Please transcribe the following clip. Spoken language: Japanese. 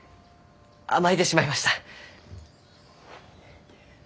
甘えてしまいました。